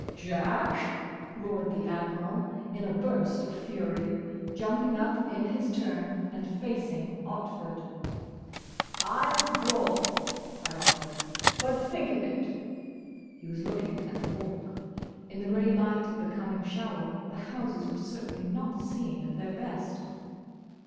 "Jack!" roared the Admiral, in a burst of fury, jumping up in his turn and facing Otford. "I withdraw!" cried Otford. "But think of it!" He was looking at the Walk. In the grey light of the coming shower the houses were certainly not seen at their best.